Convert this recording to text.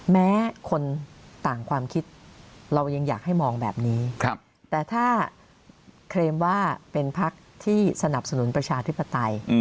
แม้คนต่างความคิดเรายังอยากให้มองแบบนี้แต่ถ้าเคลมว่าเป็นพักที่สนับสนุนประชาธิปไตย